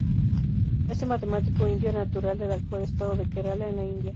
Este matemático indio era natural del actual estado de Kerala, en la India.